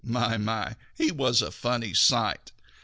My, my, he was a funny sight!